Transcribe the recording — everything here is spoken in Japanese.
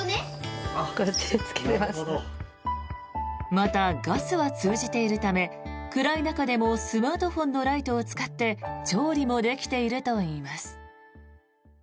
また、ガスは通じているため暗い中でもスマートフォンのライトを使って調理もできているといいます。